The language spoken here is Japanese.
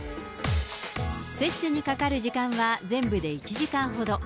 接種にかかる時間は全部で１時間ほど。